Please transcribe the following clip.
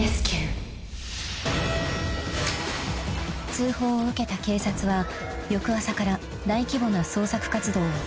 ［通報を受けた警察は翌朝から大規模な捜索活動を開始］